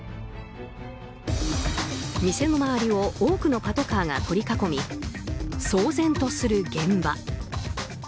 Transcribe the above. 店の周りを多くのパトカーが取り囲み騒然とする現場。